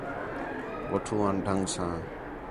وٹّھو آن ڈھنگ ساں